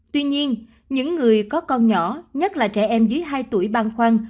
tuy nhiên những người có con nhỏ nhất là trẻ em dưới hai tuổi băng khoăn